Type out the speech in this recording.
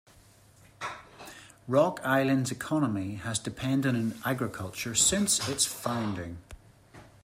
Rock Island's economy has depended on agriculture since its founding.